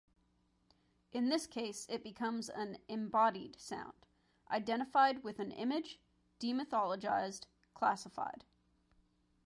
In this case it becomes an "embodied" sound, "identified with an image, demythologized, classified".